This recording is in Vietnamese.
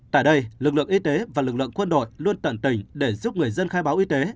tại đây lực lượng y tế và lực lượng quân đội luôn tận tình để giúp người dân khai báo y tế